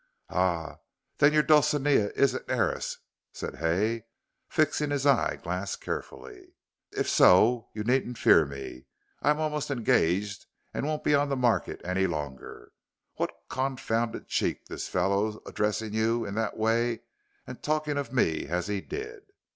"Ah! Then your Dulcinea is an heiress?" said Hay, fixing his eye glass carefully; "if so, you needn't fear me. I am almost engaged and won't be on the market any longer. What confounded cheek this fellow addressing you in that way and talking of me as he did.